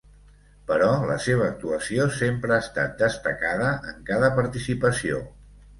Però la seva actuació sempre ha estat destacada en cada participació.